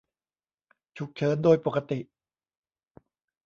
ฉุกเฉินโดยปกติ